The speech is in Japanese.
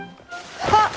あっ！